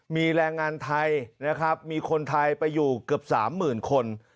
มีแรงงานไทยนะครับมีคนไทยไปอยู่เกือบ๓๐๐๐คน